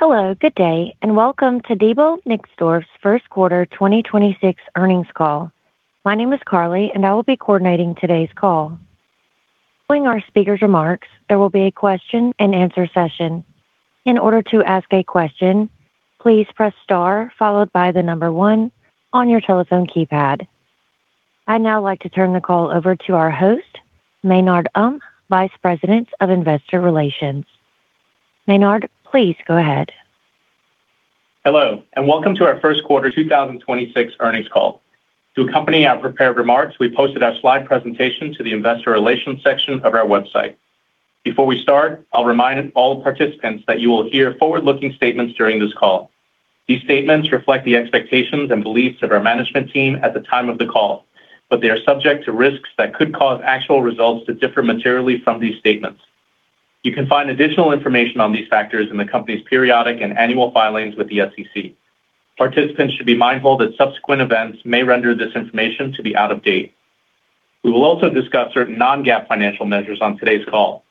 Hello, good day, and welcome to Diebold Nixdorf's First Quarter 2026 Earnings Call. My name is Carly, and I will be coordinating today's call. Following our speakers' remarks, there will be a question-and-answer session. In order to ask a question, please press star followed by 1 on your telephone keypad. I'd now like to turn the call over to our host, Maynard Um, Vice President of Investor Relations. Maynard, please go ahead. Hello, welcome to our first quarter 2026 earnings call. To accompany our prepared remarks, we posted our slide presentation to the investor relations section of our website. Before we start, I'll remind all participants that you will hear forward-looking statements during this call. These statements reflect the expectations and beliefs of our management team at the time of the call, but they are subject to risks that could cause actual results to differ materially from these statements. You can find additional information on these factors in the company's periodic and annual filings with the SEC. Participants should be mindful that subsequent events may render this information to be out of date. We will also discuss certain non-GAAP financial measures on today's call.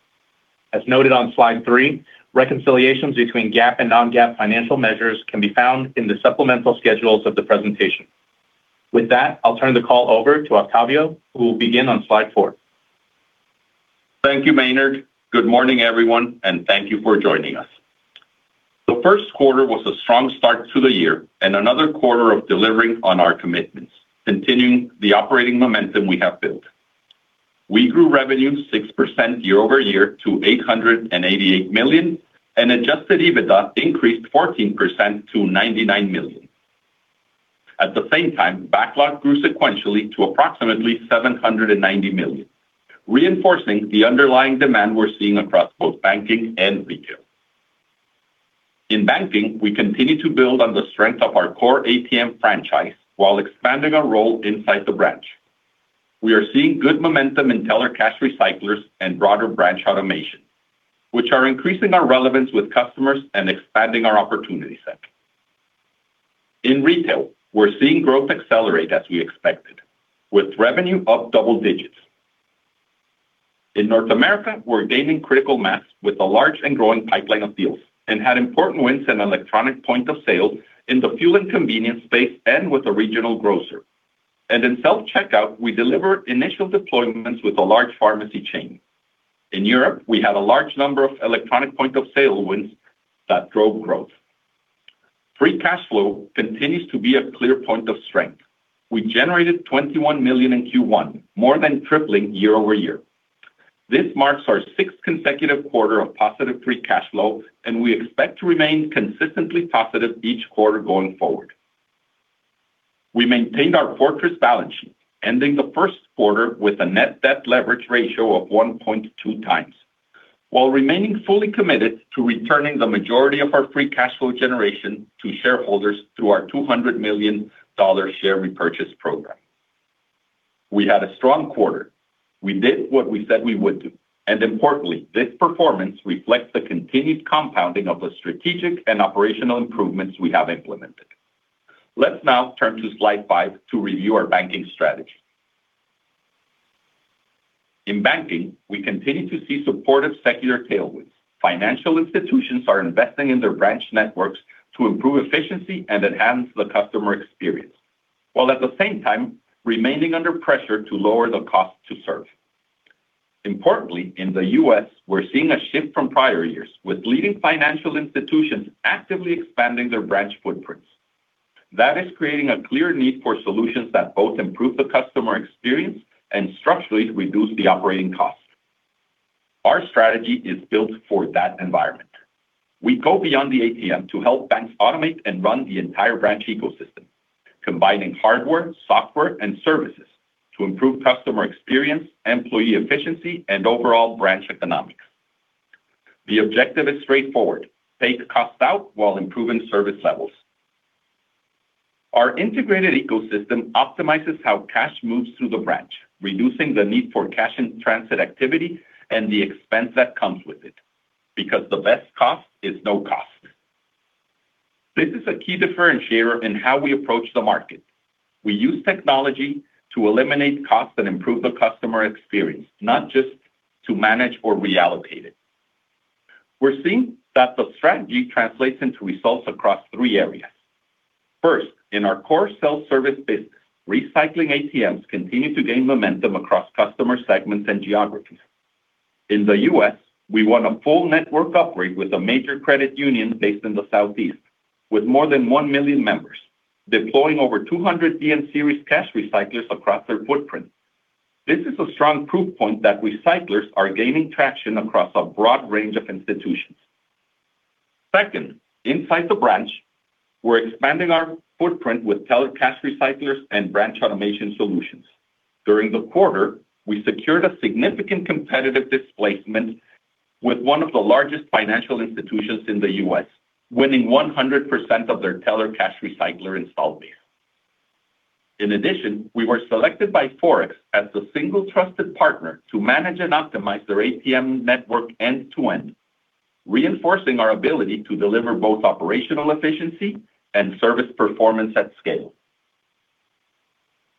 As noted on slide 3, reconciliations between GAAP and non-GAAP financial measures can be found in the supplemental schedules of the presentation. With that, I'll turn the call over to Octavio, who will begin on slide 4. Thank you, Maynard. Good morning, everyone, and thank you for joining us. The 1st quarter was a strong start to the year and another quarter of delivering on our commitments, continuing the operating momentum we have built. We grew revenue 6% year-over-year to $888 million, and Adjusted EBITDA increased 14% to $99 million. At the same time, backlog grew sequentially to approximately $790 million, reinforcing the underlying demand we're seeing across both banking and retail. In banking, we continue to build on the strength of our core ATM franchise while expanding our role inside the branch. We are seeing good momentum in Teller Cash Recyclers and broader branch automation, which are increasing our relevance with customers and expanding our opportunity set. In retail, we're seeing growth accelerate as we expected, with revenue up double-digits. In North America, we're gaining critical mass with a large and growing pipeline of deals and had important wins in electronic point of sale in the fuel and convenience space and with a regional grocer. In self-checkout, we delivered initial deployments with a large pharmacy chain. In Europe, we had a large number of electronic point of sale wins that drove growth. Free cash flow continues to be a clear point of strength. We generated $21 million in Q1, more than tripling year-over-year. This marks our sixth consecutive quarter of positive free cash flow, and we expect to remain consistently positive each quarter going forward. We maintained our fortress balance sheet, ending the first quarter with a net debt leverage ratio of 1.2x while remaining fully committed to returning the majority of our free cash flow generation to shareholders through our $200 million share repurchase program. We had a strong quarter. We did what we said we would do, and importantly, this performance reflects the continued compounding of the strategic and operational improvements we have implemented. Let's now turn to slide five to review our banking strategy. In banking, we continue to see supportive secular tailwinds. Financial institutions are investing in their branch networks to improve efficiency and enhance the customer experience, while at the same time remaining under pressure to lower the cost to serve. Importantly, in the U.S., we're seeing a shift from prior years, with leading financial institutions actively expanding their branch footprints. That is creating a clear need for solutions that both improve the customer experience and structurally reduce the operating cost. Our strategy is built for that environment. We go beyond the ATM to help banks automate and run the entire branch ecosystem, combining hardware, software, and services to improve customer experience, employee efficiency, and overall branch economics. The objective is straightforward: take cost out while improving service levels. Our integrated ecosystem optimizes how cash moves through the branch, reducing the need for cash-in-transit activity and the expense that comes with it, because the best cost is no cost. This is a key differentiator in how we approach the market. We use technology to eliminate cost and improve the customer experience, not just to manage or reallocate it. We're seeing that the strategy translates into results across three areas. First, in our core self-service business, recycling ATMs continue to gain momentum across customer segments and geographies. In the U.S., we won a full network upgrade with a major credit union based in the Southeast, with more than 1 million members, deploying over 200 DN Series cash recyclers across their footprint. This is a strong proof point that recyclers are gaining traction across a broad range of institutions. Second, inside the branch, we're expanding our footprint with Teller Cash Recyclers and branch automation solutions. During the quarter, we secured a significant competitive displacement with one of the largest financial institutions in the U.S., winning 100% of their Teller Cash Recycler install base. In addition, we were selected by FOREX as the single trusted partner to manage and optimize their ATM network end to end, reinforcing our ability to deliver both operational efficiency and service performance at scale.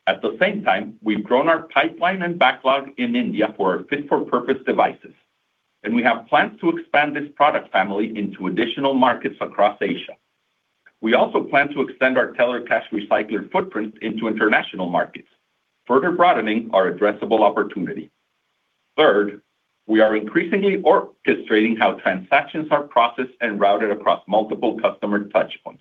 At the same time, we've grown our pipeline and backlog in India for our Fit-for-Purpose devices, and we have plans to expand this product family into additional markets across Asia. We also plan to extend our Teller Cash Recycler footprint into international markets, further broadening our addressable opportunity. Third, we are increasingly orchestrating how transactions are processed and routed across multiple customer touchpoints.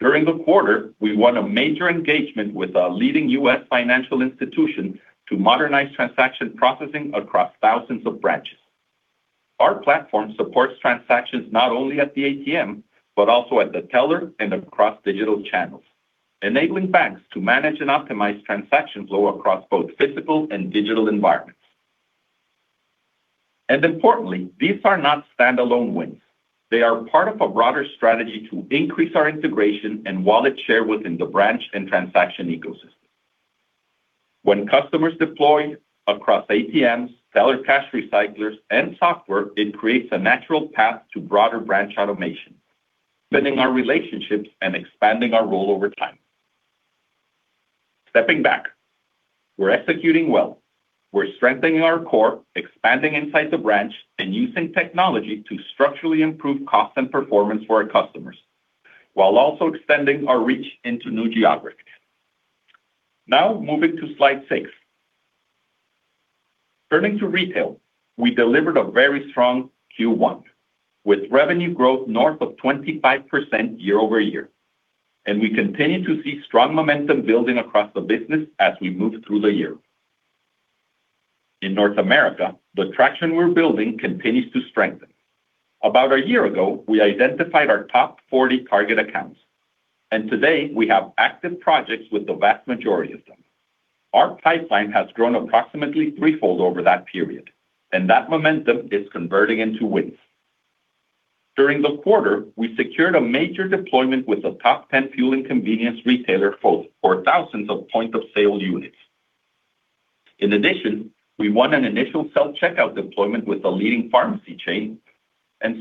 During the quarter, we won a major engagement with a leading U.S. financial institution to modernize transaction processing across thousands of branches. Our platform supports transactions not only at the ATM, but also at the teller and across digital channels, enabling banks to manage and optimize transaction flow across both physical and digital environments. Importantly, these are not standalone wins. They are part of a broader strategy to increase our integration and wallet share within the branch and transaction ecosystem. When customers deploy across ATMs, Teller Cash Recyclers, and software, it creates a natural path to broader branch automation, strengthening our relationships and expanding our role over time. Stepping back, we're executing well. We're strengthening our core, expanding inside the branch, and using technology to structurally improve cost and performance for our customers, while also extending our reach into new geographies. Moving to slide 6. Turning to retail, we delivered a very strong Q1, with revenue growth north of 25% year-over-year. We continue to see strong momentum building across the business as we move through the year. In North America, the traction we're building continues to strengthen. About a year ago, we identified our top 40 target accounts. Today, we have active projects with the vast majority of them. Our pipeline has grown approximately threefold over that period. That momentum is converting into wins. During the quarter, we secured a major deployment with a top 10 fuel and convenience retailer for thousands of point-of-sale units. In addition, we won an initial self-checkout deployment with a leading pharmacy chain.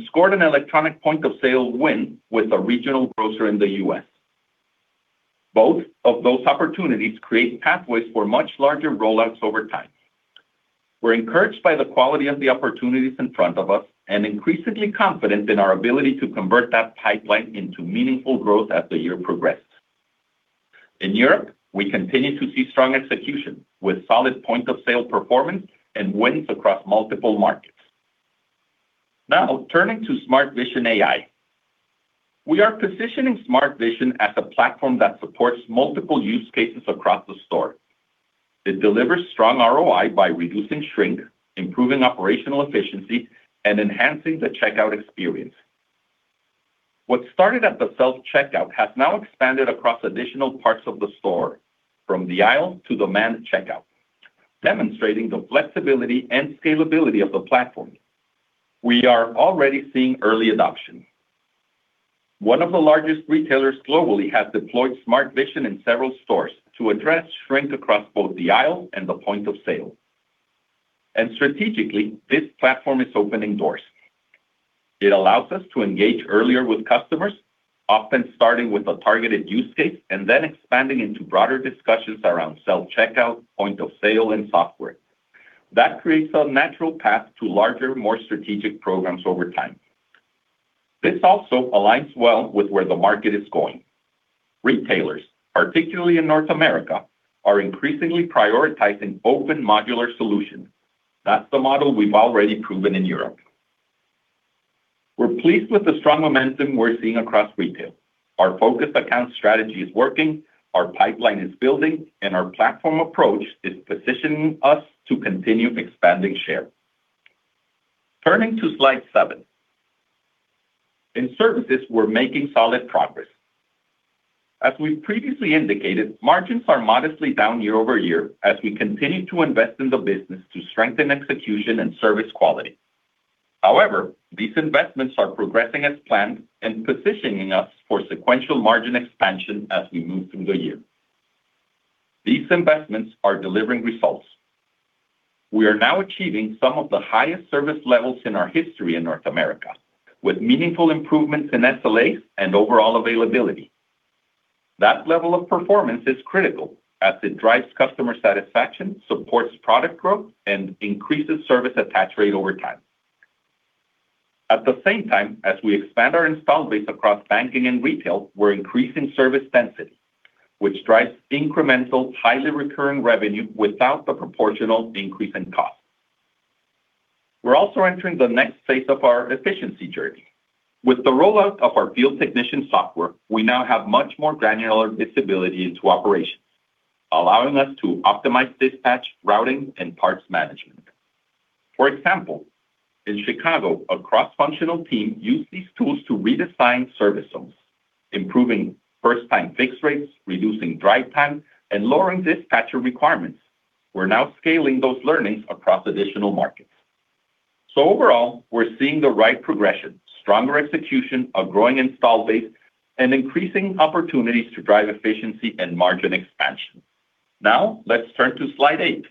Scored an Electronic Point of Sale win with a regional grocer in the U.S. Both of those opportunities create pathways for much larger rollouts over time. We're encouraged by the quality of the opportunities in front of us and increasingly confident in our ability to convert that pipeline into meaningful growth as the year progresses. In Europe, we continue to see strong execution with solid point-of-sale performance and wins across multiple markets. Turning to Smart Vision AI. We are positioning Smart Vision as a platform that supports multiple use cases across the store. It delivers strong ROI by reducing shrink, improving operational efficiency, and enhancing the checkout experience. What started at the self-checkout has now expanded across additional parts of the store, from the aisle to the manned checkout, demonstrating the flexibility and scalability of the platform. We are already seeing early adoption. One of the largest retailers globally has deployed Smart Vision in several stores to address shrink across both the aisle and the point of sale. Strategically, this platform is opening doors. It allows us to engage earlier with customers, often starting with a targeted use case and then expanding into broader discussions around self-checkout, point-of-sale, and software. Creates a natural path to larger, more strategic programs over time. This also aligns well with where the market is going. Retailers, particularly in North America, are increasingly prioritizing open modular solutions. The model we've already proven in Europe. We're pleased with the strong momentum we're seeing across retail. Our focused account strategy is working, our pipeline is building, and our platform approach is positioning us to continue expanding share. Turning to slide 7. In services, we're making solid progress. As we've previously indicated, margins are modestly down year-over-year as we continue to invest in the business to strengthen execution and service quality. These investments are progressing as planned and positioning us for sequential margin expansion as we move through the year. These investments are delivering results. We are now achieving some of the highest service levels in our history in North America, with meaningful improvements in SLAs and overall availability. That level of performance is critical as it drives customer satisfaction, supports product growth, and increases service attach rate over time. At the same time, as we expand our installed base across banking and retail, we're increasing service density, which drives incremental, highly recurring revenue without the proportional increase in cost. We're also entering the next phase of our efficiency journey. With the rollout of our field technician software, we now have much more granular visibility into operations, allowing us to optimize dispatch, routing, and parts management. For example, in Chicago, a cross-functional team used these tools to redesign service zones, improving first-time fix rates, reducing drive time, and lowering dispatcher requirements. Overall, we're seeing the right progression, stronger execution, a growing installed base, and increasing opportunities to drive efficiency and margin expansion. Let's turn to slide 8.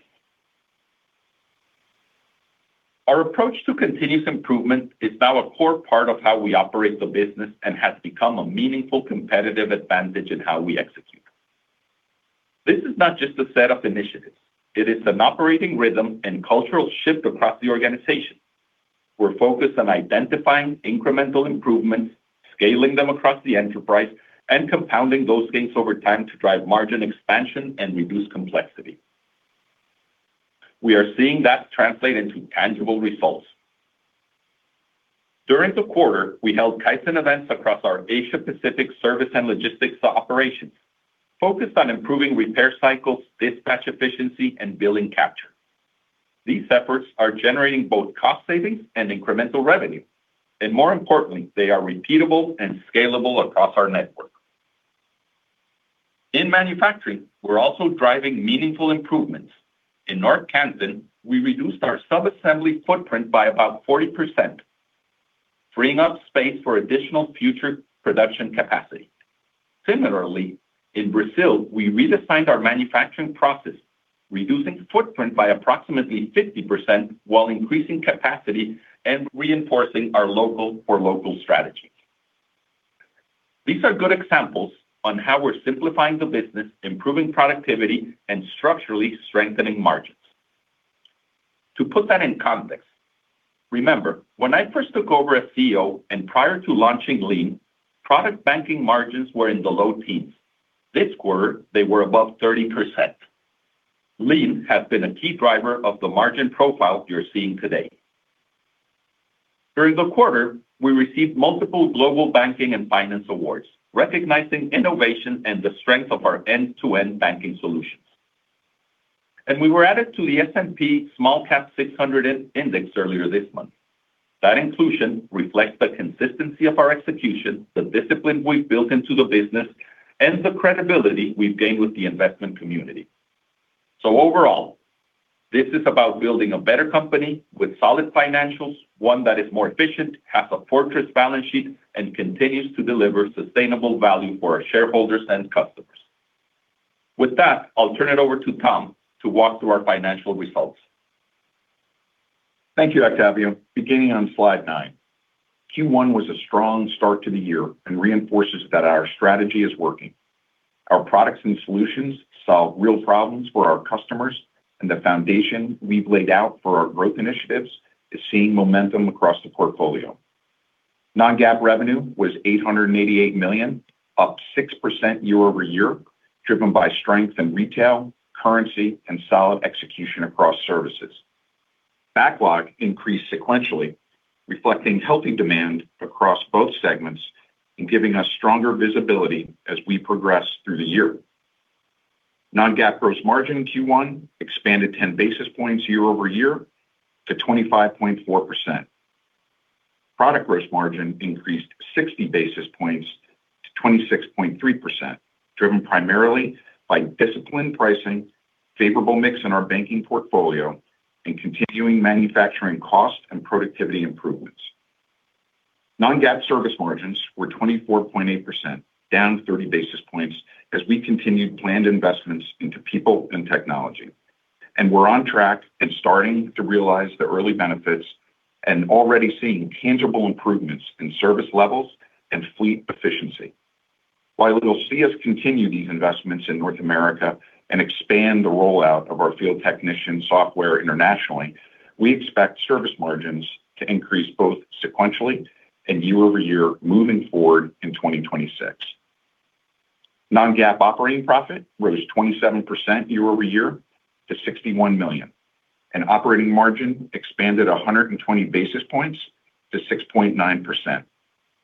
Our approach to continuous improvement is now a core part of how we operate the business and has become a meaningful competitive advantage in how we execute. This is not just a set of initiatives. It is an operating rhythm and cultural shift across the organization. We're focused on identifying incremental improvements, scaling them across the enterprise, and compounding those gains over time to drive margin expansion and reduce complexity. We are seeing that translate into tangible results. During the quarter, we held Kaizen events across our Asia Pacific service and logistics operations focused on improving repair cycles, dispatch efficiency, and billing capture. More importantly, these efforts are generating both cost savings and incremental revenue, and they are repeatable and scalable across our network. In manufacturing, we're also driving meaningful improvements. In North Canton, we reduced our sub-assembly footprint by about 40%, freeing up space for additional future production capacity. In Brazil, we redesigned our manufacturing process, reducing footprint by approximately 50% while increasing capacity and reinforcing our local for local strategy. These are good examples on how we're simplifying the business, improving productivity, and structurally strengthening margins. Remember, when I first took over as CEO and prior to launching Lean, product banking margins were in the low teens. This quarter, they were above 30%. Lean has been a key driver of the margin profile you're seeing today. During the quarter, we received multiple global banking and finance awards recognizing innovation and the strength of our end-to-end banking solutions. We were added to the S&P SmallCap 600 index earlier this month. That inclusion reflects the consistency of our execution, the discipline we've built into the business, and the credibility we've gained with the investment community. Overall, this is about building a better company with solid financials, one that is more efficient, has a fortress balance sheet, and continues to deliver sustainable value for our shareholders and customers. With that, I'll turn it over to Tom to walk through our financial results. Thank you, Octavio. Beginning on slide nine. Q1 was a strong start to the year and reinforces that our strategy is working. Our products and solutions solve real problems for our customers, and the foundation we've laid out for our growth initiatives is seeing momentum across the portfolio. Non-GAAP revenue was $888 million, up 6% year-over-year, driven by strength in retail, currency, and solid execution across services. Backlog increased sequentially, reflecting healthy demand across both segments and giving us stronger visibility as we progress through the year. Non-GAAP gross margin in Q1 expanded 10 basis points year-over-year to 25.4%. Product gross margin increased 60 basis points to 26.3%, driven primarily by disciplined pricing, favorable mix in our banking portfolio, and continuing manufacturing cost and productivity improvements. Non-GAAP service margins were 24.8%, down 30 basis points as we continued planned investments into people and technology. We're on track and starting to realize the early benefits and already seeing tangible improvements in service levels and fleet efficiency. While you'll see us continue these investments in North America and expand the rollout of our field technician software internationally, we expect service margins to increase both sequentially and year-over-year moving forward in 2026. Non-GAAP operating profit rose 27% year-over-year to $61 million, and operating margin expanded 120 basis points to 6.9%,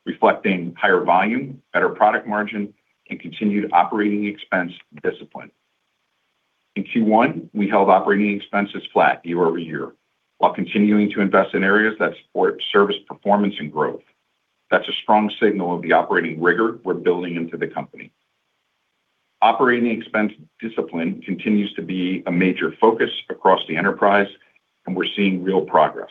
reflecting higher volume, better product margin, and continued operating expense discipline. In Q1, we held operating expenses flat year-over-year while continuing to invest in areas that support service performance and growth. That's a strong signal of the operating rigor we're building into the company. Operating expense discipline continues to be a major focus across the enterprise. We're seeing real progress.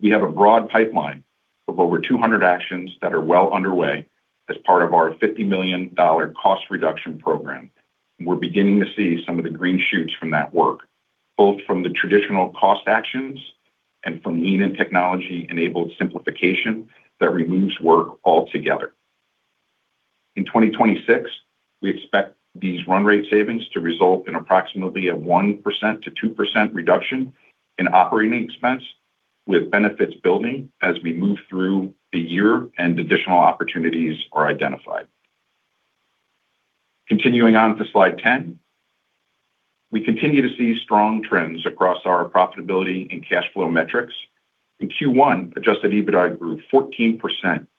We have a broad pipeline of over 200 actions that are well underway as part of our $50 million cost reduction program. We're beginning to see some of the green shoots from that work, both from the traditional cost actions and from Lean and technology-enabled simplification that removes work altogether. In 2026, we expect these run rate savings to result in approximately a 1%-2% reduction in operating expense with benefits building as we move through the year and additional opportunities are identified. Continuing on to slide 10. We continue to see strong trends across our profitability and cash flow metrics. In Q1, adjusted EBITDA grew 14%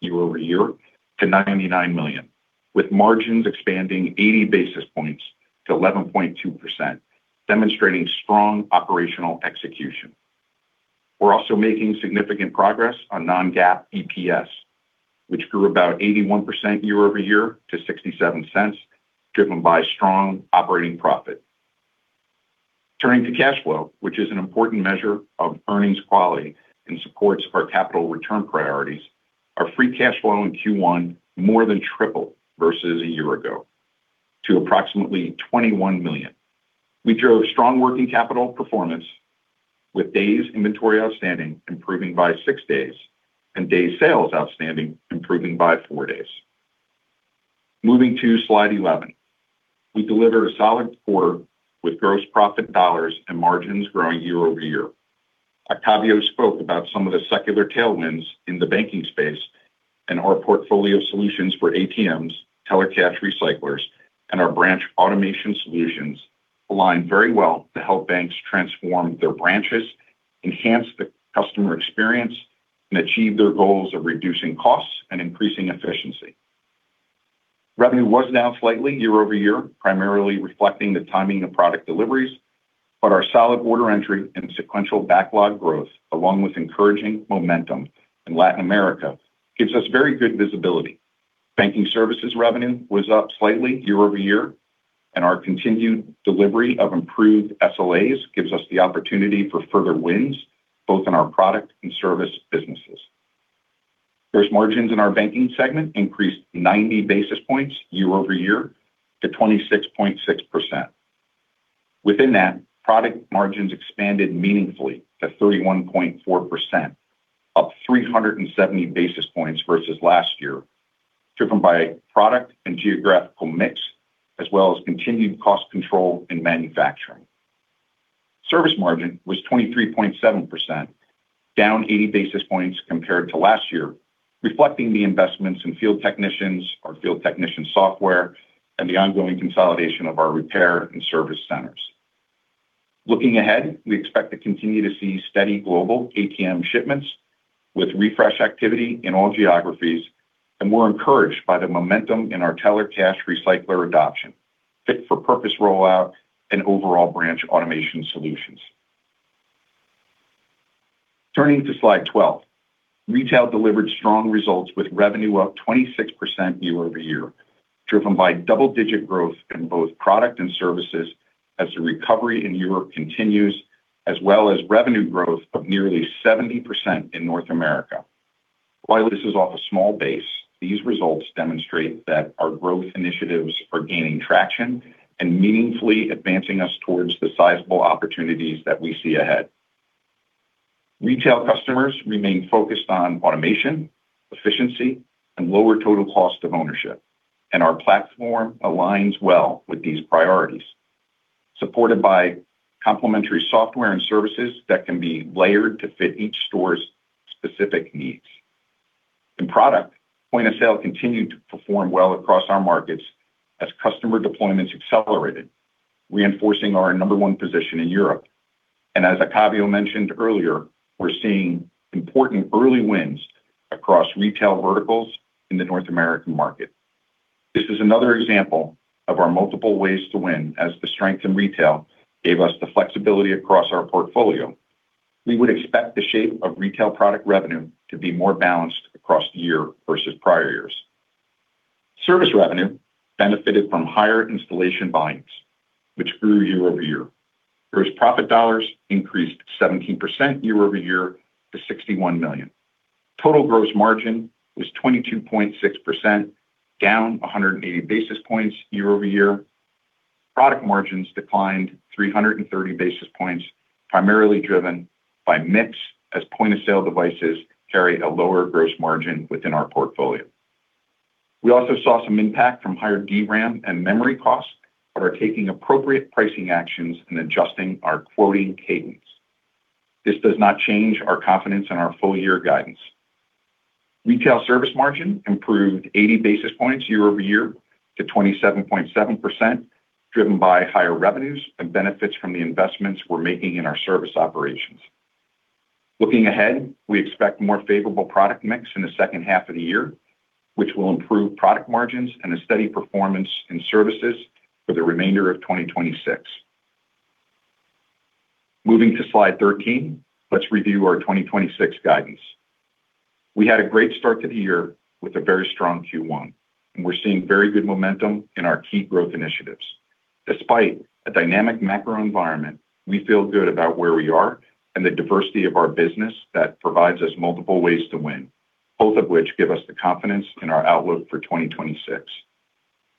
year-over-year to $99 million, with margins expanding 80 basis points to 11.2%, demonstrating strong operational execution. We're also making significant progress on non-GAAP EPS, which grew about 81% year-over-year to $0.67, driven by strong operating profit. Turning to cash flow, which is an important measure of earnings quality and supports our capital return priorities, our free cash flow in Q1 more than tripled versus a year ago to approximately $21 million. We drove strong working capital performance with days inventory outstanding improving by 6 days and day sales outstanding improving by 4 days. Moving to slide 11. We delivered a solid quarter with gross profit dollars and margins growing year-over-year. Octavio spoke about some of the secular tailwinds in the banking space and our portfolio solutions for ATMs, teller cash recyclers, and our branch automation solutions align very well to help banks transform their branches, enhance the customer experience, and achieve their goals of reducing costs and increasing efficiency. Revenue was down slightly year-over-year, primarily reflecting the timing of product deliveries, but our solid order entry and sequential backlog growth along with encouraging momentum in Latin America gives us very good visibility. Banking services revenue was up slightly year-over-year, and our continued delivery of improved SLAs gives us the opportunity for further wins both in our product and service businesses. Gross margins in our banking segment increased 90 basis points year-over-year to 26.6%. Within that, product margins expanded meaningfully to 31.4%, up 370 basis points versus last year, driven by product and geographical mix as well as continued cost control in manufacturing. Service margin was 23.7%, down 80 basis points compared to last year, reflecting the investments in field technicians, our field technician software, and the ongoing consolidation of our repair and service centers. Looking ahead, we expect to continue to see steady global ATM shipments with refresh activity in all geographies, and we're encouraged by the momentum in our Teller Cash Recycler adoption, Fit-for-Purpose rollout, and overall branch automation solutions. Turning to slide 12. Retail delivered strong results with revenue up 26% year-over-year, driven by double-digit growth in both product and services as the recovery in Europe continues, as well as revenue growth of nearly 70% in North America. While this is off a small base, these results demonstrate that our growth initiatives are gaining traction and meaningfully advancing us towards the sizable opportunities that we see ahead. Retail customers remain focused on automation, efficiency, and lower total cost of ownership. Our platform aligns well with these priorities, supported by complementary software and services that can be layered to fit each store's specific needs. In product, point-of-sale continued to perform well across our markets as customer deployments accelerated, reinforcing our number one position in Europe. As Octavio mentioned earlier, we're seeing important early wins across retail verticals in the North American market. This is another example of our multiple ways to win as the strength in retail gave us the flexibility across our portfolio. We would expect the shape of retail product revenue to be more balanced across the year versus prior years. Service revenue benefited from higher installation volumes, which grew year-over-year. Gross profit dollars increased 17% year-over-year to $61 million. Total gross margin was 22.6%, down 180 basis points year-over-year. Product margins declined 330 basis points, primarily driven by mix as point-of-sale devices carry a lower gross margin within our portfolio. We also saw some impact from higher DRAM and memory costs, but are taking appropriate pricing actions and adjusting our quoting cadence. This does not change our confidence in our full year guidance. Retail service margin improved 80 basis points year-over-year to 27.7%, driven by higher revenues and benefits from the investments we're making in our service operations. Looking ahead, we expect more favorable product mix in the second half of the year, which will improve product margins and a steady performance in services for the remainder of 2026. Moving to slide 13, let's review our 2026 guidance. We had a great start to the year with a very strong Q1, we're seeing very good momentum in our key growth initiatives. Despite a dynamic macro environment, we feel good about where we are and the diversity of our business that provides us multiple ways to win, both of which give us the confidence in our outlook for 2026.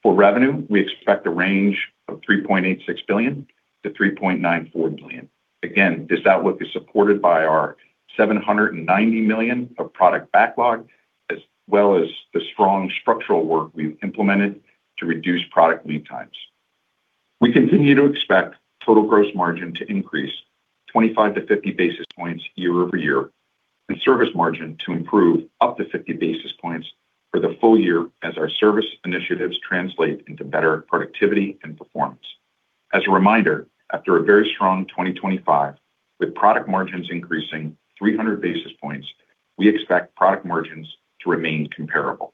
For revenue, we expect a range of $3.86 billion-$3.94 billion. Again, this outlook is supported by our $790 million of product backlog, as well as the strong structural work we've implemented to reduce product lead times. We continue to expect total gross margin to increase 25-50 basis points year-over-year, and service margin to improve up to 50 basis points for the full year as our service initiatives translate into better productivity and performance. As a reminder, after a very strong 2025, with product margins increasing 300 basis points, we expect product margins to remain comparable.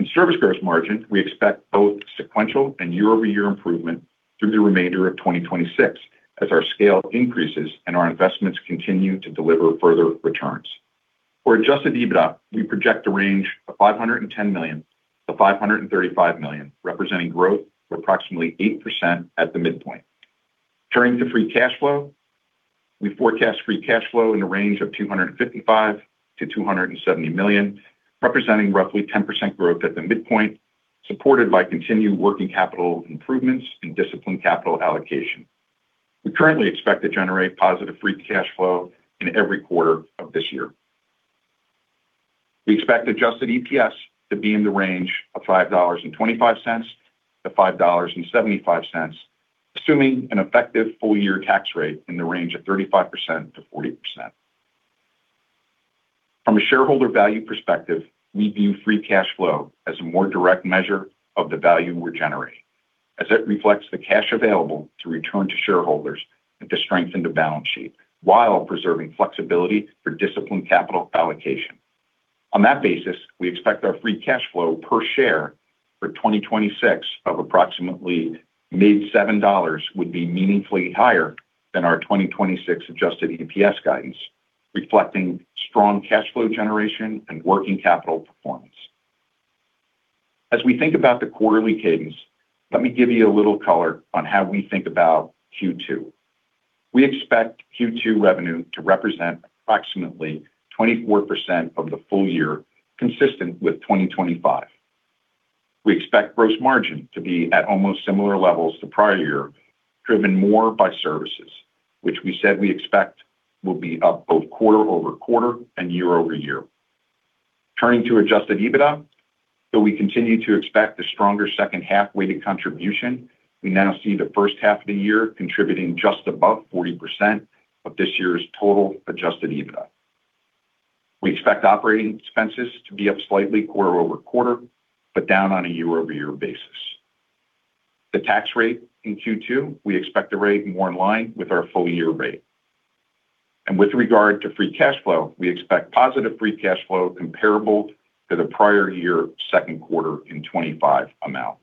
In service gross margin, we expect both sequential and year-over-year improvement through the remainder of 2026 as our scale increases and our investments continue to deliver further returns. For Adjusted EBITDA, we project a range of $510 million-$535 million, representing growth of approximately 8% at the midpoint. Turning to free cash flow. We forecast free cash flow in the range of $255 million-$270 million, representing roughly 10% growth at the midpoint, supported by continued working capital improvements and disciplined capital allocation. We currently expect to generate positive free cash flow in every quarter of this year. We expect adjusted EPS to be in the range of $5.25-$5.75, assuming an effective full-year tax rate in the range of 35%-40%. From a shareholder value perspective, we view free cash flow as a more direct measure of the value we're generating, as it reflects the cash available to return to shareholders and to strengthen the balance sheet while preserving flexibility for disciplined capital allocation. On that basis, we expect our free cash flow per share for 2026 of approximately mid-seven dollars would be meaningfully higher than our 2026 Adjusted EPS guidance, reflecting strong cash flow generation and working capital performance. As we think about the quarterly cadence, let me give you a little color on how we think about Q2. We expect Q2 revenue to represent approximately 24% of the full year, consistent with 2025. We expect gross margin to be at almost similar levels to prior year, driven more by services, which we said we expect will be up both quarter-over-quarter and year-over-year. Turning to Adjusted EBITDA, though we continue to expect a stronger second half weighted contribution, we now see the first half of the year contributing just above 40% of this year's total Adjusted EBITDA. We expect operating expenses to be up slightly quarter-over-quarter, but down on a year-over-year basis. The tax rate in Q2, we expect the rate more in line with our full-year rate. With regard to free cash flow, we expect positive free cash flow comparable to the prior year second quarter in $25 amount.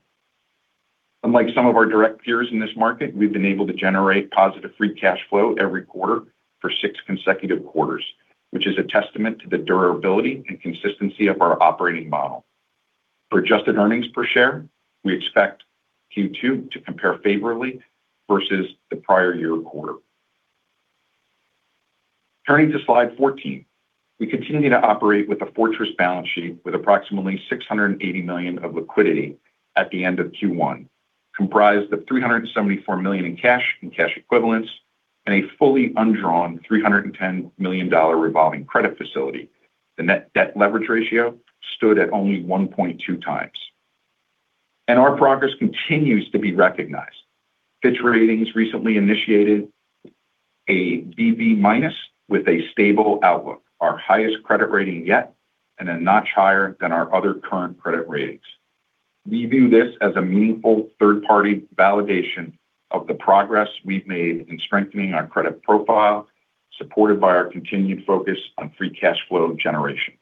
Unlike some of our direct peers in this market, we've been able to generate positive free cash flow every quarter for six consecutive quarters, which is a testament to the durability and consistency of our operating model. For adjusted earnings per share, we expect Q2 to compare favorably versus the prior year quarter. Turning to slide 14, we continue to operate with a fortress balance sheet with approximately $680 million of liquidity at the end of Q1, comprised of $374 million in cash and cash equivalents and a fully undrawn $310 million revolving credit facility. The net debt leverage ratio stood at only 1.2x. Our progress continues to be recognized. Fitch Ratings recently initiated a BB- with a stable outlook, our highest credit rating yet and a notch higher than our other current credit ratings. We view this as a meaningful third-party validation of the progress we've made in strengthening our credit profile, supported by our continued focus on free cash flow generation.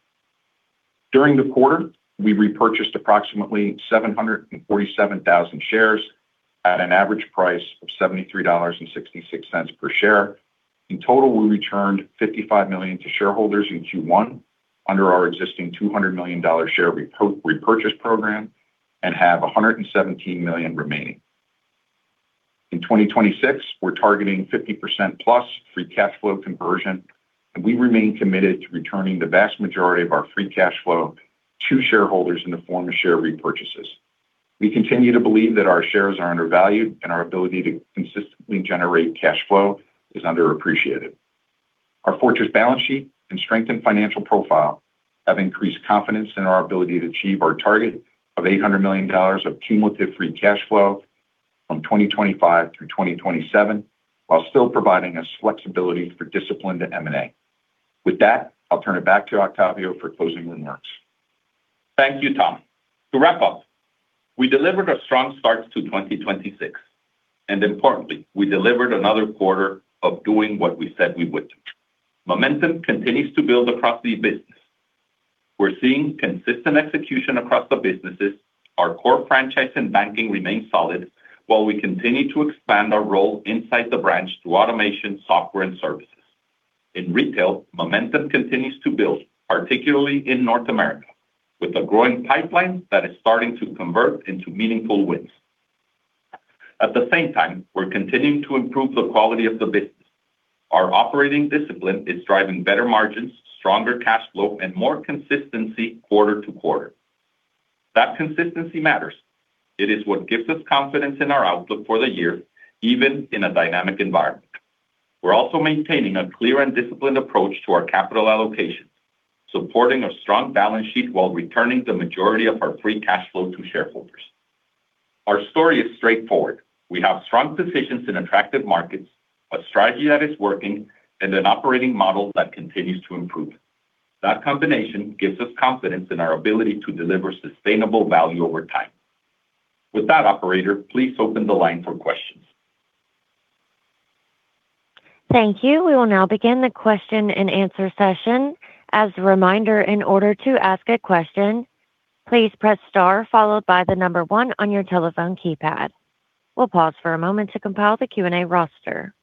During the quarter, we repurchased approximately 747,000 shares at an average price of $73.66 per share. In total, we returned $55 million to shareholders in Q1 under our existing $200 million share repurchase program and have $117 million remaining. In 2026, we're targeting 50%+ free cash flow conversion, and we remain committed to returning the vast majority of our free cash flow to shareholders in the form of share repurchases. We continue to believe that our shares are undervalued and our ability to consistently generate cash flow is underappreciated. Our fortress balance sheet and strengthened financial profile have increased confidence in our ability to achieve our target of $800 million of cumulative free cash flow from 2025 through 2027 while still providing us flexibility for disciplined M&A. With that, I'll turn it back to Octavio for closing remarks. Thank you, Tom. To wrap up, we delivered a strong start to 2026. Importantly, we delivered another quarter of doing what we said we would do. Momentum continues to build across the business. We're seeing consistent execution across the businesses. Our core franchise in banking remains solid while we continue to expand our role inside the branch through automation, software, and services. In retail, momentum continues to build, particularly in North America, with a growing pipeline that is starting to convert into meaningful wins. At the same time, we're continuing to improve the quality of the business. Our operating discipline is driving better margins, stronger cash flow, and more consistency quarter-to-quarter. That consistency matters. It is what gives us confidence in our outlook for the year, even in a dynamic environment. We're also maintaining a clear and disciplined approach to our capital allocation, supporting a strong balance sheet while returning the majority of our free cash flow to shareholders. Our story is straightforward. We have strong positions in attractive markets, a strategy that is working, and an operating model that continues to improve. That combination gives us confidence in our ability to deliver sustainable value over time. With that, operator, please open the line for questions. Thank you. We will now begin the question-and-answer session. We'll pause for a moment to compile the Q&A roster.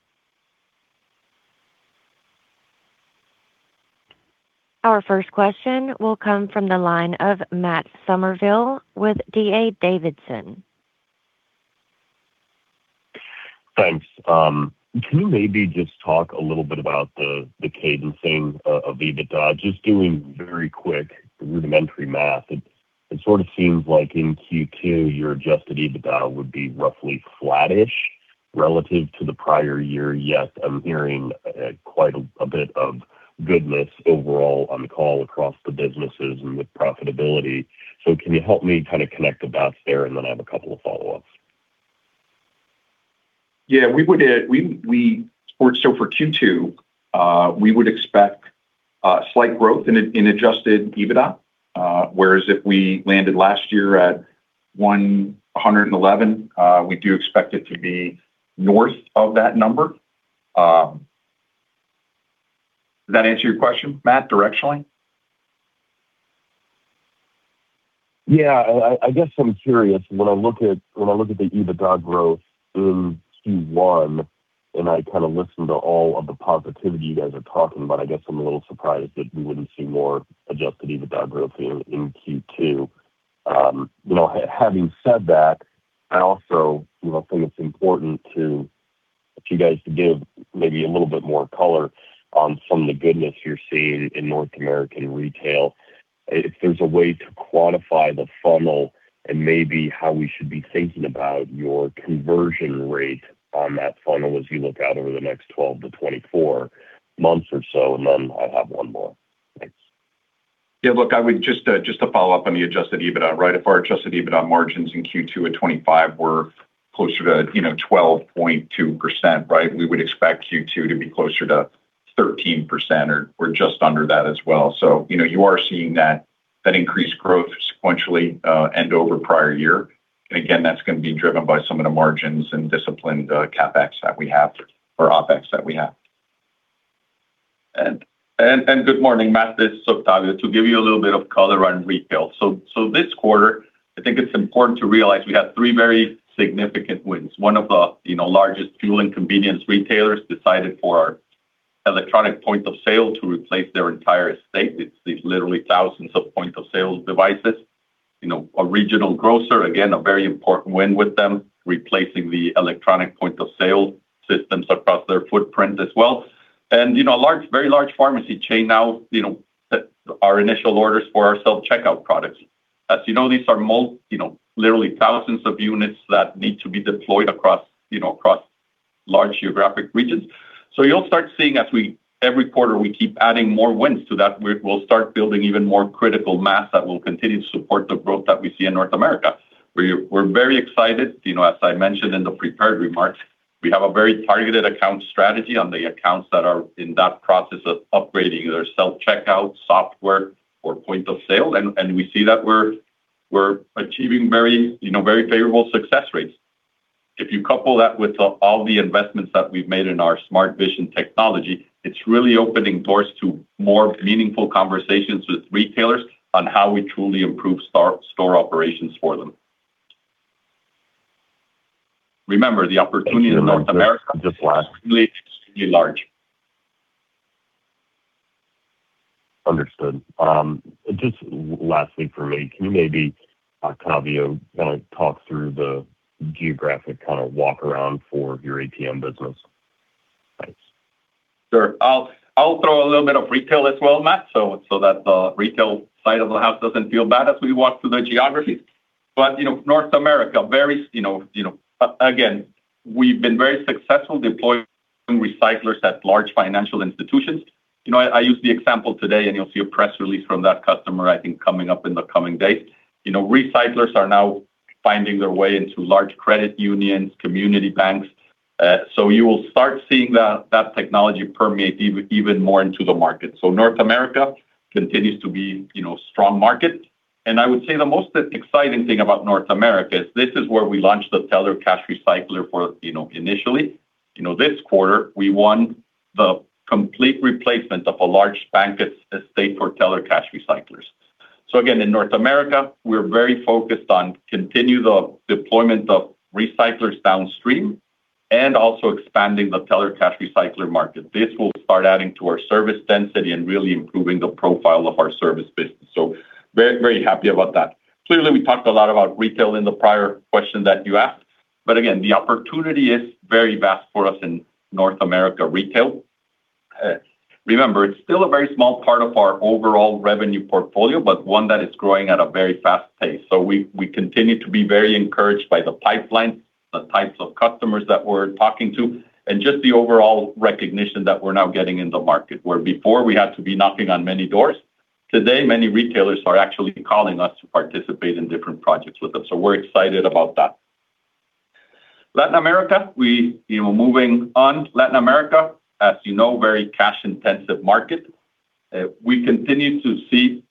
Our first question will come from the line of Matt Summerville with D.A. Davidson. Thanks. Can you maybe just talk a little bit about the cadencing of EBITDA? Just doing very quick rudimentary math, it sort of seems like in Q2, your Adjusted EBITDA would be roughly flattish relative to the prior year. I'm hearing quite a bit of goodness overall on the call across the businesses and with profitability. Can you help me kinda connect the dots there? I have a couple of follow-ups. Yeah, we would. For Q2, we would expect slight growth in Adjusted EBITDA. Whereas if we landed last year at 111, we do expect it to be north of that number. Does that answer your question, Matt, directionally? Yeah. I guess I'm curious, when I look at the EBITDA growth in Q1, and I kinda listen to all of the positivity you guys are talking about, I guess I'm a little surprised that we wouldn't see more Adjusted EBITDA growth in Q2. You know, having said that, I also, you know, think it's important for you guys to give maybe a little bit more color on some of the goodness you're seeing in North American retail. If there's a way to quantify the funnel and maybe how we should be thinking about your conversion rate on that funnel as you look out over the next 12 to 24 months or so. Then I'll have 1 more. Thanks. Yeah, look, I would just to follow up on the Adjusted EBITDA, right? If our Adjusted EBITDA margins in Q2 at 25 were closer to 12.2%, right, we would expect Q2 to be closer to 13% or just under that as well. You are seeing that increased growth sequentially and over prior year. Again, that's gonna be driven by some of the margins and disciplined CapEx that we have, or OpEx that we have. Good morning, Matt. This is Octavio. To give you a little bit of color on retail. This quarter, I think it's important to realize we have three very significant wins. One of the, you know, largest fuel and convenience retailers decided for our Electronic Point of Sale to replace their entire estate. It's literally thousands of point of sale devices. You know, a regional grocer, again, a very important win with them, replacing the Electronic Point of Sale systems across their footprint as well. You know, a large, very large pharmacy chain now, you know, set our initial orders for our self-checkout products. As you know, these are, you know, literally thousands of units that need to be deployed across large geographic regions. You'll start seeing as we every quarter, we keep adding more wins to that. We'll start building even more critical mass that will continue to support the growth that we see in North America. We're very excited. You know, as I mentioned in the prepared remarks, we have a very targeted account strategy on the accounts that are in that process of upgrading their self-checkout software or point of sale. We see that we're achieving very, you know, very favorable success rates. If you couple that with all the investments that we've made in our Vynamic Smart Vision technology, it's really opening doors to more meaningful conversations with retailers on how we truly improve store operations for them. Remember, the opportunity in North America. Just last- Is extremely large. Understood. Just lastly from me, can you maybe, Octavio, kinda talk through the geographic kinda walk around for your ATM business? Thanks. Sure. I'll throw a little bit of retail as well, Matt, so that the retail side of the house doesn't feel bad as we walk through the geographies. You know, North America, very, you know, again, we've been very successful deploying recyclers at large financial institutions. You know, I used the example today, you'll see a press release from that customer, I think, coming up in the coming days. You know, recyclers are now finding their way into large credit unions, community banks. You will start seeing that technology permeate even more into the market. North America continues to be, you know, strong market. I would say the most exciting thing about North America is this is where we launched the Teller Cash Recycler for, you know, initially. You know, this quarter, we won the complete replacement of a large bank at stake for teller cash recyclers. Again, in North America, we're very focused on continue the deployment of recyclers downstream and also expanding the teller cash recycler market. This will start adding to our service density and really improving the profile of our service business. Very, very happy about that. Clearly, we talked a lot about retail in the prior question that you asked. Again, the opportunity is very vast for us in North America retail. Remember, it's still a very small part of our overall revenue portfolio, but one that is growing at a very fast pace. We continue to be very encouraged by the pipeline, the types of customers that we're talking to, and just the overall recognition that we're now getting in the market, where before we had to be knocking on many doors. Today, many retailers are actually calling us to participate in different projects with them. We're excited about that. Latin America, we, you know, moving on. Latin America, as you know, very cash-intensive market. We continue to see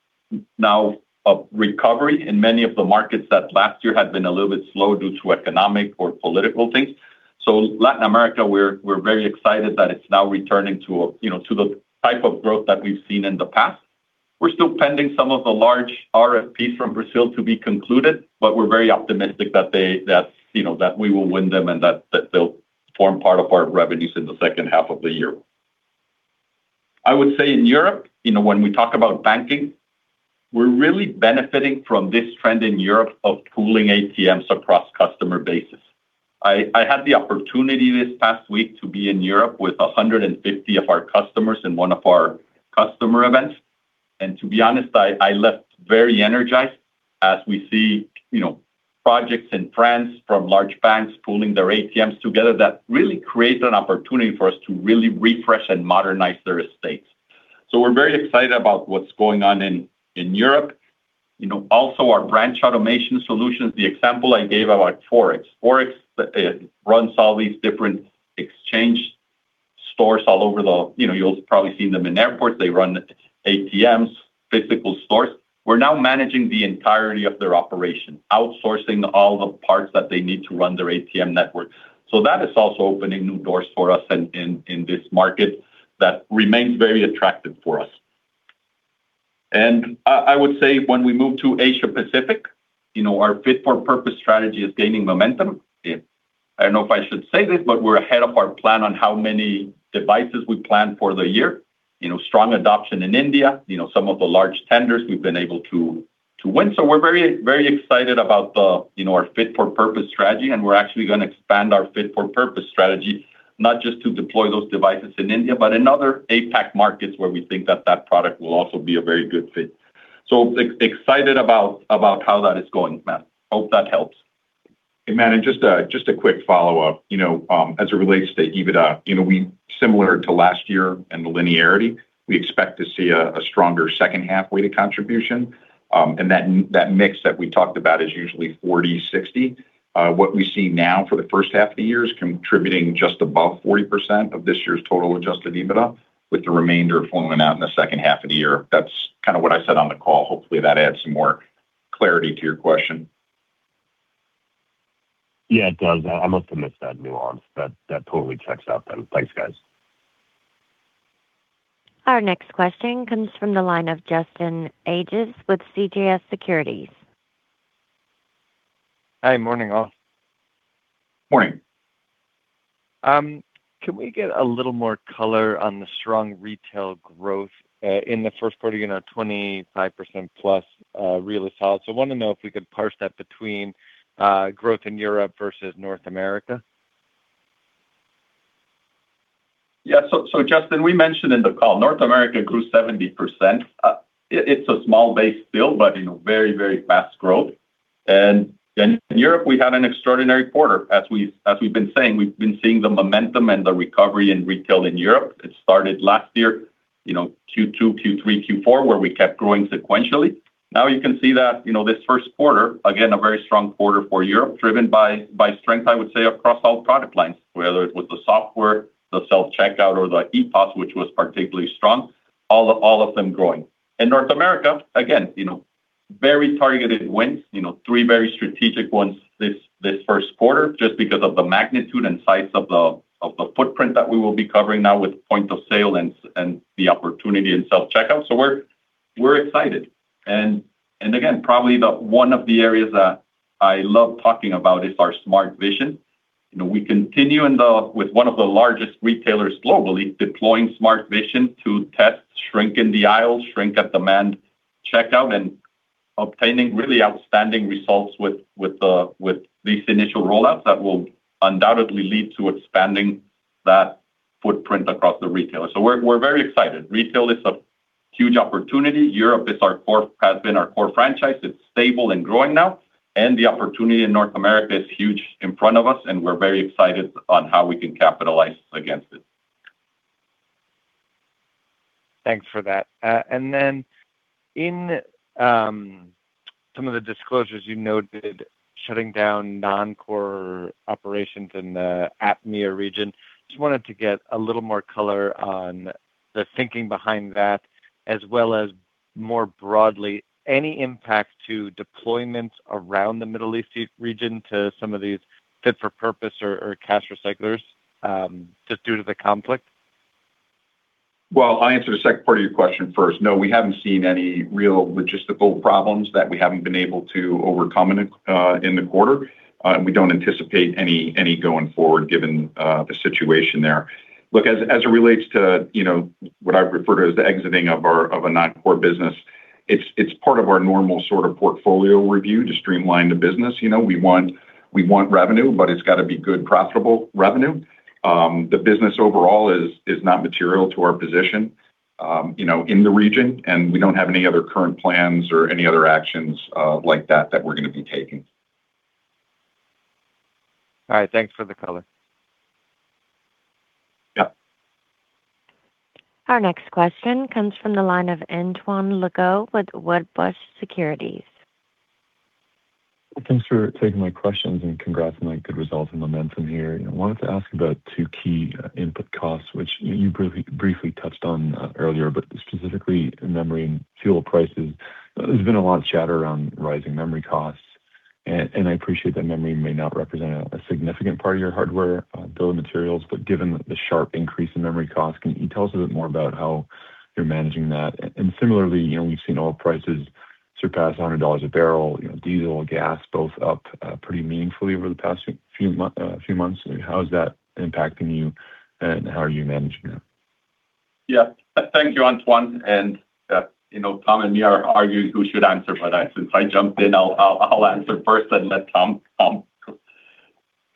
now a recovery in many of the markets that last year had been a little bit slow due to economic or political things. Latin America, we're very excited that it's now returning to, you know, to the type of growth that we've seen in the past. We're still pending some of the large RFPs from Brazil to be concluded, but we're very optimistic that, you know, that we will win them and that they'll form part of our revenues in the second half of the year. I would say in Europe, you know, when we talk about banking, we're really benefiting from this trend in Europe of pooling ATMs across customer bases. I had the opportunity this past week to be in Europe with 150 of our customers in one of our customer events. To be honest, I left very energized as we see, you know, projects in France from large banks pooling their ATMs together. That really creates an opportunity for us to really refresh and modernize their estates. We're very excited about what's going on in Europe. You know, also our branch automation solutions, the example I gave about FOREX. FOREX runs all these different exchange stores all over the, you know, you'll probably seen them in airports. They run ATMs, physical stores. We're now managing the entirety of their operation, outsourcing all the parts that they need to run their ATM network. That is also opening new doors for us in this market that remains very attractive for us. I would say when we move to Asia Pacific, you know, our Fit-for-Purpose strategy is gaining momentum. I don't know if I should say this, we're ahead of our plan on how many devices we plan for the year. You know, strong adoption in India. You know, some of the large tenders we've been able to win. We're very, very excited about the, you know, our Fit-for-Purpose strategy, and we're actually gonna expand our Fit-for-Purpose strategy, not just to deploy those devices in India but in other APAC markets where we think that that product will also be a very good fit. We're excited about how that is going, Matt. Hope that helps. Hey, Matt, just a quick follow-up. You know, as it relates to EBITDA, you know, we similar to last year and the linearity, we expect to see a stronger second half way to contribution. That mix that we talked about is usually 40, 60. What we see now for the first half of the year is contributing just above 40% of this year's total adjusted EBITDA, with the remainder flowing out in the second half of the year. That's kinda what I said on the call. Hopefully, that adds some more clarity to your question. Yeah, it does. I must have missed that nuance, but that totally checks out then. Thanks, guys. Our next question comes from the line of Justin Ages with CJS Securities. Hi. Morning, all. Morning. Can we get a little more color on the strong retail growth in the first quarter, you know, 25% plus, really solid. Wanna know if we could parse that between growth in Europe versus North America? Justin, we mentioned in the call, North America grew 70%. It's a small base still, but, you know, very, very fast growth. In Europe, we had an extraordinary quarter. As we've been saying, we've been seeing the momentum and the recovery in retail in Europe. It started last year, you know, Q2, Q3, Q4, where we kept growing sequentially. You can see that, you know, this first quarter, again, a very strong quarter for Europe, driven by strength, I would say, across all product lines, whether it was the software, the self-checkout, or the ePOS, which was particularly strong. All of them growing. In North America, again, you know, very targeted wins. You know, three very strategic ones this first quarter just because of the magnitude and size of the footprint that we will be covering now with point of sale and the opportunity in self-checkout. We're excited. Again, probably the one of the areas that I love talking about is our Smart Vision. You know, we continue with one of the largest retailers globally, deploying Smart Vision to test shrink in the aisle, shrink at demand checkout, and obtaining really outstanding results with these initial rollouts that will undoubtedly lead to expanding that footprint across the retailer. We're very excited. Retail is a huge opportunity. Europe is our core has been our core franchise. It's stable and growing now, and the opportunity in North America is huge in front of us, and we're very excited on how we can capitalize against it. Thanks for that. In some of the disclosures you noted, shutting down non-core operations in the APMEA region. Just wanted to get a little more color on the thinking behind that, as well as more broadly any impact to deployments around the Middle East region to some of these Fit-for-Purpose or cash recyclers, just due to the conflict. Well, I'll answer the second part of your question first. No, we haven't seen any real logistical problems that we haven't been able to overcome in the quarter, and we don't anticipate any going forward given the situation there. Look, as it relates to, you know, what I refer to as the exiting of a non-core business, it's part of our normal sort of portfolio review to streamline the business. You know, we want revenue, but it's gotta be good profitable revenue. The business overall is not material to our position, you know, in the region, and we don't have any other current plans or any other actions like that we're gonna be taking. All right. Thanks for the color. Yeah. Our next question comes from the line of Antoine Legault with Wedbush Securities. Thanks for taking my questions, congrats on, like, good results and momentum here. I wanted to ask about two key input costs, which you briefly touched on earlier, but specifically memory and fuel prices. There's been a lot of chatter around rising memory costs, and I appreciate that memory may not represent a significant part of your hardware bill of materials. Given the sharp increase in memory costs, can you tell us a bit more about how you're managing that? Similarly, you know, we've seen oil prices surpassed $100 a bbl, you know, diesel and gas both up pretty meaningfully over the past few months. How is that impacting you, how are you managing it? Thank you, Antoine. You know, Tom and me are arguing who should answer for that. Since I jumped in, I'll answer first and let Tom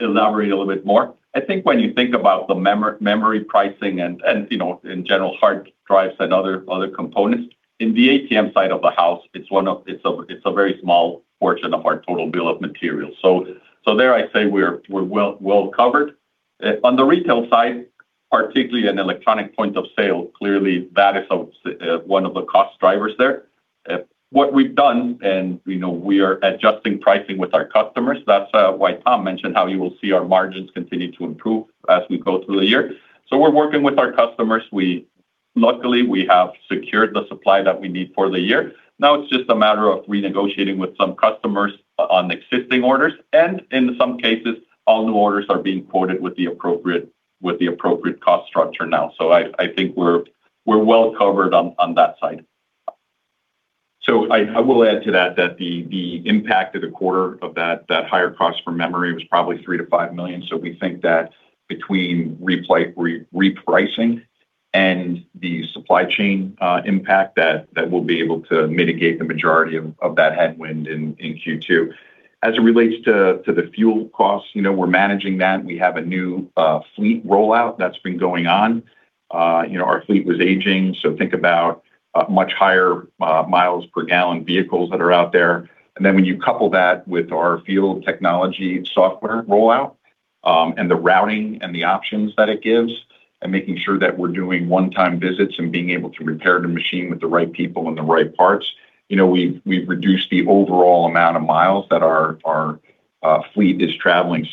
elaborate a little bit more. I think when you think about the memory pricing, and, you know, in general, hard drives and other components, in the ATM side of the house, it's a very small portion of our total bill of materials. There I say we're well-covered. On the retail side, particularly in electronic point of sale, clearly that is a one of the cost drivers there. What we've done, and we know we are adjusting pricing with our customers, that's why Tom mentioned how you will see our margins continue to improve as we go through the year. We're working with our customers. Luckily, we have secured the supply that we need for the year. Now it's just a matter of renegotiating with some customers on existing orders and in some cases, all new orders are being quoted with the appropriate cost structure now. I think we're well covered on that side. I will add to that, the impact of the quarter of that higher cost from memory was probably $3 million-$5 million. We think that between repricing and the supply chain impact that we'll be able to mitigate the majority of that headwind in Q2. As it relates to the fuel costs, you know, we're managing that. We have a new fleet rollout that's been going on. You know, our fleet was aging, so think about much higher miles per gallon vehicles that are out there. Then when you couple that with our field technician software rollout, and the routing and the options that it gives, and making sure that we're doing one-time visits and being able to repair the machine with the right people and the right parts, you know, we've reduced the overall amount of miles that our fleet is traveling.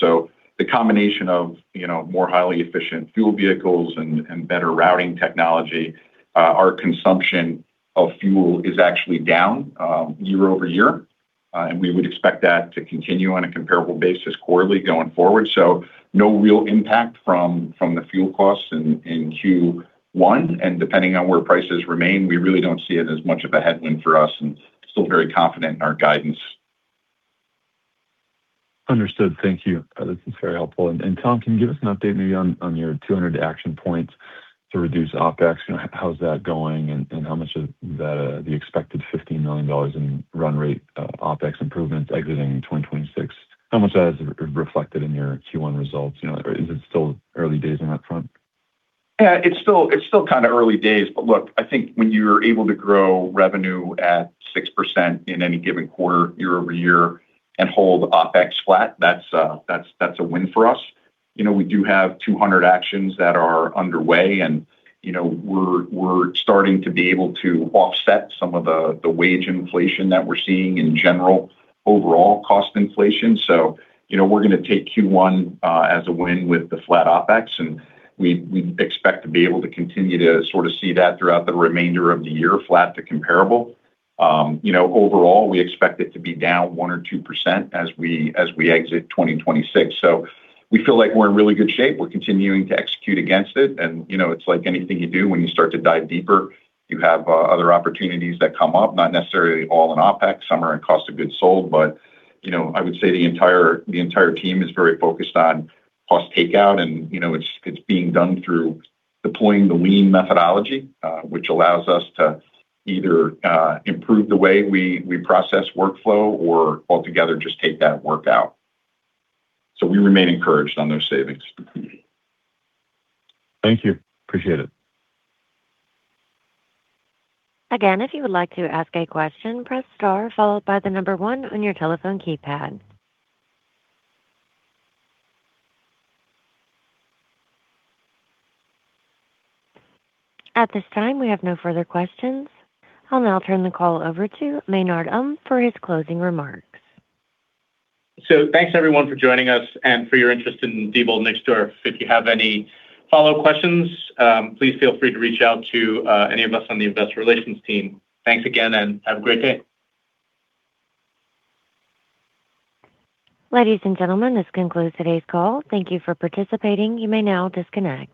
The combination of, you know, more highly efficient fuel vehicles and better routing technology, our consumption of fuel is actually down year-over-year. We would expect that to continue on a comparable basis quarterly going forward. No real impact from the fuel costs in Q1. Depending on where prices remain, we really don't see it as much of a headwind for us and still very confident in our guidance. Understood. Thank you. This is very helpful. Tom, can you give us an update maybe on your 200 action points to reduce OpEx? You know, how's that going, and how much of that, the expected $15 million in run rate OpEx improvement exiting in 2026, how much of that is re-reflected in your Q1 results? You know, or is it still early days on that front? It's still kind of early days. Look, I think when you're able to grow revenue at 6% in any given quarter year-over-year and hold OpEx flat, that's a win for us. You know, we do have 200 actions that are underway and, you know, we're starting to be able to offset some of the wage inflation that we're seeing in general overall cost inflation. You know, we're gonna take Q1 as a win with the flat OpEx, and we expect to be able to continue to sort of see that throughout the remainder of the year, flat to comparable. You know, overall, we expect it to be down 1% or 2% as we exit 2026. We feel like we're in really good shape. We're continuing to execute against it. You know, it's like anything you do, when you start to dive deeper, you have other opportunities that come up, not necessarily all in OpEx. Some are in cost of goods sold. You know, I would say the entire team is very focused on cost takeout and, you know, it's being done through deploying the Lean methodology, which allows us to either improve the way we process workflow or altogether just take that work out. We remain encouraged on those savings. Thank you. Appreciate it. At this time, we have no further questions. I'll now turn the call over to Maynard Um for his closing remarks. Thanks everyone for joining us and for your interest in Diebold Nixdorf. If you have any follow questions, please feel free to reach out to any of us on the investor relations team. Thanks again. Have a great day. Ladies and gentlemen, this concludes today's call. Thank you for participating. You may now disconnect.